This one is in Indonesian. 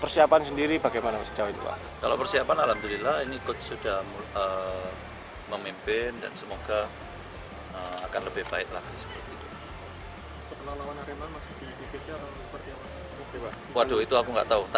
semoga memimpin dan semoga akan lebih baik lagi seperti itu